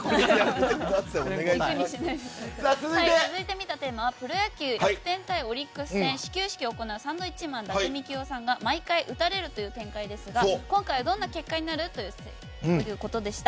続いてみたテーマはプロ野球、楽天対オリックス戦始球式を行うサンドウィッチマン伊達みきおさんが毎回打たれるというコメントですがどんな結果になる？ということでした。